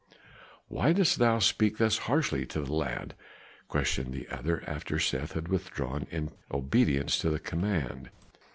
"Why dost thou speak thus harshly to the lad?" questioned the other after Seth had withdrawn in obedience to the command.